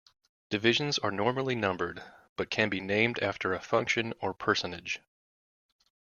Divisions are normally numbered, but can be named after a function or personage.